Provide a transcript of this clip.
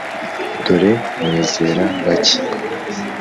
dore nizera bake.